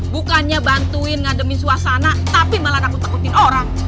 bukannya bantuin ngandemi suasana tapi malah takut takutin orang